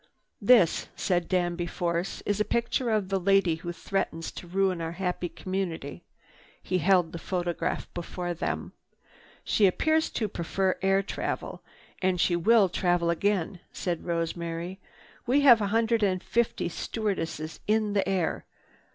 "This," said Danby Force, "is a picture of the lady who threatens to ruin our happy community." He held the photograph before them. "She appears to prefer air travel, and she will travel again," said Rosemary. "We have a hundred and fifty stewardesses in the air.